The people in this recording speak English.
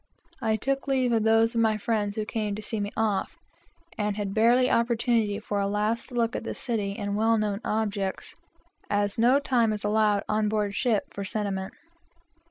I took leave of those of my friends who came to see me off, and had barely opportunity to take a last look at the city, and well known objects, as no time is allowed on board ship for sentiment.